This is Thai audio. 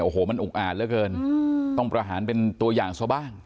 โอ้โฮมันอุกอาดเราต้องผลาฮานเป็นตัวอย่างซวะบ้าง